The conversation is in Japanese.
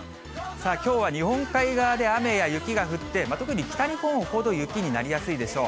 さあ、きょうは日本海側で雨や雪が降って、特に北日本ほど雪になりやすいでしょう。